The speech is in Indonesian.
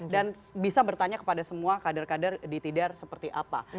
dan bisa bertanya kepada semua kader kader di tidar seperti apa